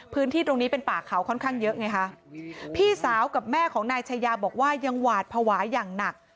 พื้นที่ตรงนี้เป็นป่าเขาค่อนข้างเยอะไงคะพี่สาวกับแม่ของนายชายาบอกว่ายังหวาดภาวะอย่างหนัก